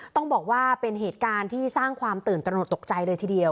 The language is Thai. ต้องบอกว่าเป็นเหตุการณ์ที่สร้างความตื่นตระหนดตกใจเลยทีเดียว